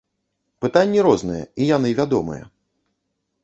Пытанні розныя і яны вядомыя.